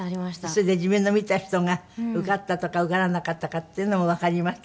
それで自分の見た人が受かったとか受からなかったかっていうのもわかりました？